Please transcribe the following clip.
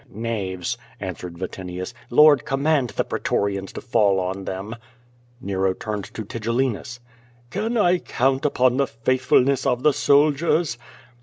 "Knaves!" answered Vatinius. "Lord, command the pre torians to fall on them." Nero turned to Tigellinius: "Can I count upon the faithfulness of the soldiers??"